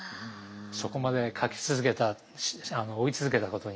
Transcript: そこまで描き続けた追い続けたことに。